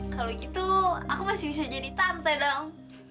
kalau gitu aku masih bisa jadi tante dong